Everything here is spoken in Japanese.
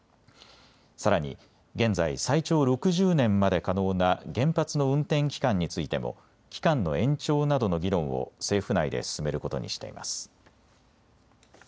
さらに現在、最長６０年まで可能な原発の運転期間についても期間の延長などの議論を政府内で進めることにしています。